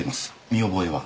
見覚えは？